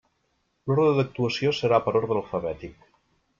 L'ordre d'actuació serà per ordre alfabètic.